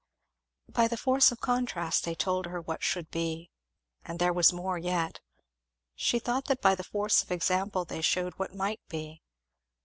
By the force of contrast they told her what should be; and there was more yet, she thought that by the force of example they shewed what might be.